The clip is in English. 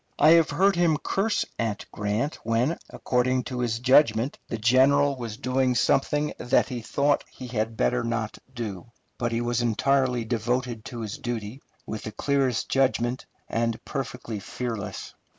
I have heard him curse at Grant when, according to his judgment, the general was doing something that he thought he had better not do. But he was entirely devoted to his duty, with the clearest judgment, and perfectly fearless.